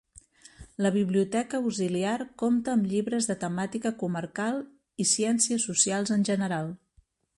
La biblioteca auxiliar compta amb llibres de temàtica comarcal i ciències socials en general.